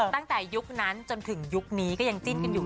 ตั้งแต่ยุคนั้นจนถึงยุคนี้ก็ยังจิ้นกันอยู่